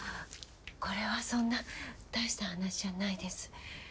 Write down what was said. これはそんな大した話じゃないです。